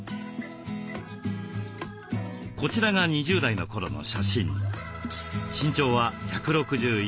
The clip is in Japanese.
こちらが２０代の頃の写真。